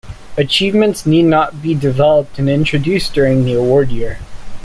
Achievements need not have been developed and introduced during the award year.